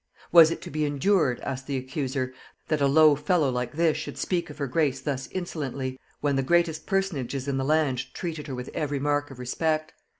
Was it to be endured, asked the accuser, that a low fellow like this should speak of her grace thus insolently, when the greatest personages in the land treated her with every mark of respect?